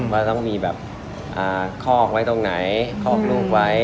ว่าต้องมีแบบคอกไว้ตรงไหนคอกลูกไว้